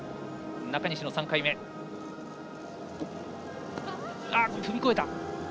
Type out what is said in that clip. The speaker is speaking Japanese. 中西の３回目、踏み越えた。